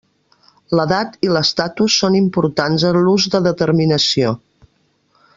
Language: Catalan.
L'edat i l'estatus són importants en l'ús de determinació.